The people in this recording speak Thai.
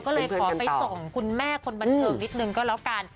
ก็เลยขอไปส่งคุณแม่คนบันเทิงนิดนึงก็แล้วกัน